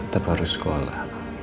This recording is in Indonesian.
rena tetap harus sekolah